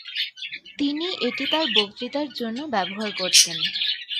তিনি এটি তার বক্তৃতার জন্য ব্যবহার করতেন।